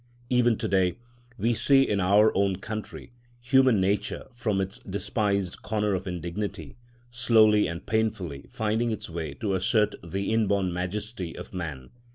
Even to day we see in our own country human nature, from its despised corner of indignity, slowly and painfully finding its way to assert the inborn majesty of man.